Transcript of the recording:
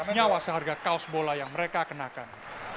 nyawa seharga kaos bola yang mereka kenakan